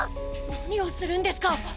何をするんですか！